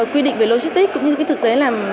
quy định về logistic cũng như thực tế